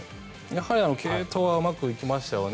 やはり継投はうまくいきましたよね。